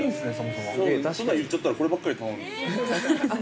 ◆そんなん言っちゃったらこればっかり頼む。